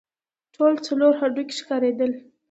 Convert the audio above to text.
ټول څلور هډوکي ښکارېدل.